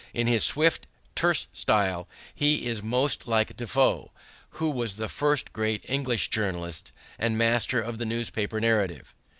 In his swift, terse style, he is most like Defoe, who was the first great English journalist and master of the newspaper narrative.